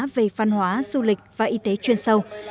về văn hóa du lịch và y tế chuyên sâu